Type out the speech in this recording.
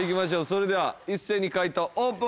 それでは一斉に解答オープン